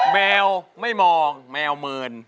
แมวไม่มองแมวเมิน